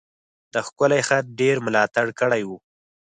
د ښکلی خط ډیر ملاتړ کړی و.